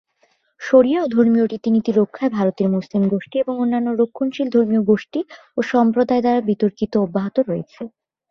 শরিয়া ও ধর্মীয় রীতিনীতি রক্ষায় ভারতের মুসলিম গোষ্ঠী এবং অন্যান্য রক্ষণশীল ধর্মীয় গোষ্ঠী ও সম্প্রদায়ের দ্বারা বিতর্কিত অব্যাহত রয়েছে।